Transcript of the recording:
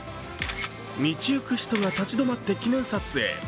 道行く人が立ち止まって記念撮影。